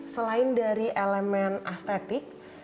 selain dari elemen astetik